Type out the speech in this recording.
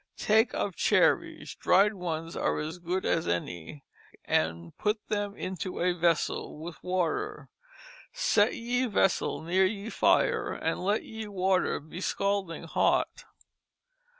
Take of Cherrys (dry'd ones are as good as any) & put them into a vessel with water. Set ye vessel near ye fire and let ye water be Scalding hot.